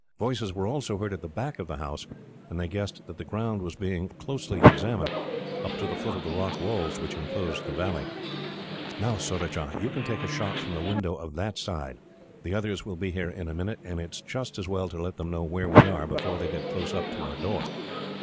Voices were also heard at the back of the house, and they guessed that the ground was being closely examined, up to the foot of the rock walls which enclosed the valley. "Now, Surajah, you can take a shot from the window of that side. The others will be here in a minute, and it is just as well to let them know where we are, before they get close up to our door."